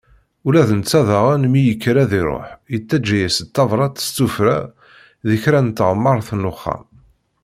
Ula d netta daɣen, mi yekker ad iruḥ, yettaǧǧa-yas-d tabrat s tuffra di kra n teɣmert n uxxam.